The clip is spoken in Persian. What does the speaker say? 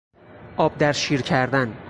آب در شیر کردن